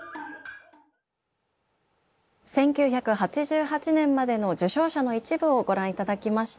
１９８８年までの受賞者の一部をご覧頂きました。